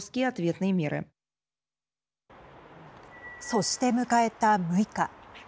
そして、迎えた６日。